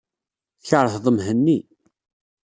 Tkeṛheḍ Mhenni.